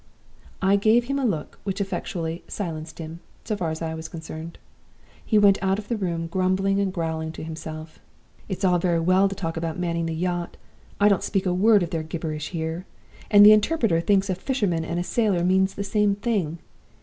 I gave him a look which effectually silenced him, so far as I was concerned. He went out of the room grumbling and growling to himself. 'It's all very well to talk about manning the yacht. I don't speak a word of their gibberish here; and the interpreter thinks a fisherman and a sailor means the same thing.